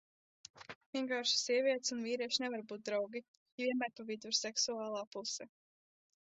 Vienkārši sievietes un vīrieši nevar būt draugi, jo vienmēr pa vidu ir seksuālā puse.